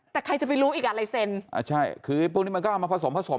แต่ใครจะไปรู้อีกอ่ะไลเซนใช่คือพวกนี้มันก็มาผสมกัน